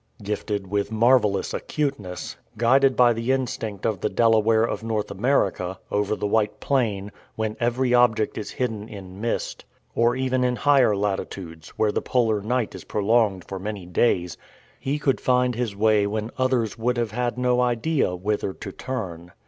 Gifted with marvelous acuteness, guided by the instinct of the Delaware of North America, over the white plain, when every object is hidden in mist, or even in higher latitudes, where the polar night is prolonged for many days, he could find his way when others would have had no idea whither to turn.